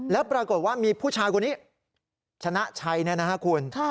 แล้วปรากฏว่ามีผู้ชายคนนี้ชนะชัยเนี่ยนะฮะคุณ